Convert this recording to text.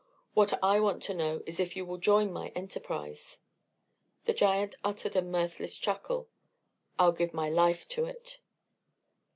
What I want to know is if you will join my enterprise." The giant uttered a mirthless chuckle. "I'll give my life to it."